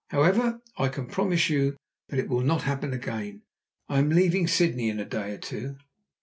However, I can promise you that it will not happen again. I am leaving Sydney in a day or two."